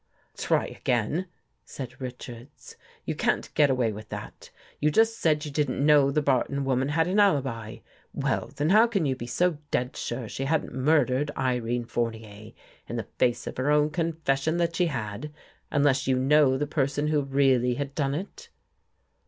" Try again," said Richards. " You can't get away with that. You just said you didn't know the Barton woman had an alibi. Well, then how could 144 AN ESCAPE you be so dead sure she hadn't murdered Irene Four nier, in the face of her own confession that she had, unless you knew the person who really had done it?"